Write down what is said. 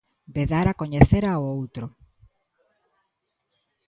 De dar a coñecer ao outro.